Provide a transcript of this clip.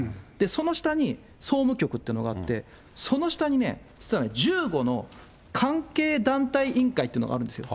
その下に総務局というのがあって、その下にね、実は１５の関係団体委員会っていうのがあるんですよ。